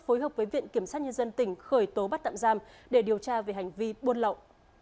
phối hợp với viện kiểm sát nhân dân tỉnh khởi tố bắt tạm giam để điều tra về hành vi buôn lậu